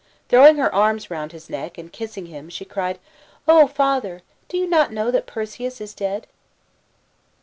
Throwing her arms round his neck and kissing him, she cried, " O father, do you not know that Perseus is dead